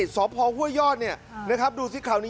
สอบพองพ่อย่อนดูซิค่าวนี้